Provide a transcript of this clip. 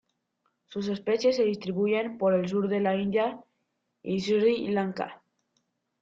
Sus especies se distribuyen por el sur de la India y Sri Lanka.